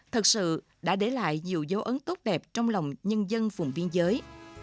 thật sự đã để lại nhiều dấu ấn tốt đẹp trong lòng nhân dân vùng biên giới